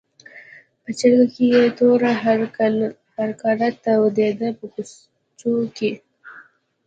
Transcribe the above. په چرګۍ کې یې توره هرکاره تودېده په کوچو کې.